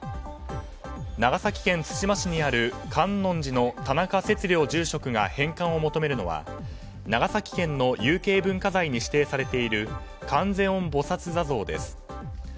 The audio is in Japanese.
長崎県対馬市にある観音寺の田中節竜住職が返還を求めるのは長崎県の有形文化財に指定されている観世音菩薩坐像です。